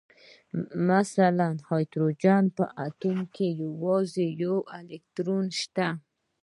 مثلاً د هایدروجن په اتوم کې یوازې یو الکترون شته